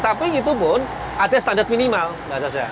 tapi itu pun ada standar minimal mas arbet ya